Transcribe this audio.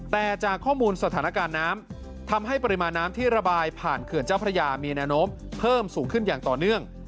แต่จากข้อมูลสถานการณ์น้ำทำให้ปริมาณน้ำที่ระบายผ่านเขื่อนเจ้าพระยามีแนวโน้มเพิ่มสูงขึ้นอย่างต่อเนื่อง